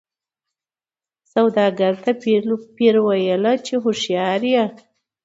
سوداګر ته پیر ویله چي هوښیار یې